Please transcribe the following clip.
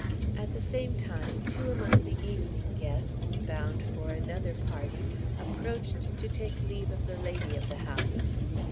At the same times two among the evening guests, bound for another party, approached to take leave of the lady of the house.